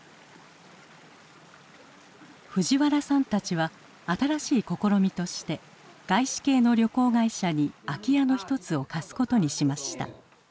藤原さんたちは新しい試みとして外資系の旅行会社に空き家の一つを貸すことにしました。